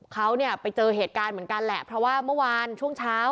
เขาเนี่ยไปเจอเหตุการณ์เหมือนกันแหละเพราะว่าเมื่อวานช่วงเช้า